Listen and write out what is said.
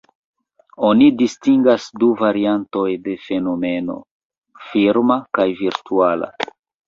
Oni distingas du variantoj de fenomeno: firma kaj virtuala.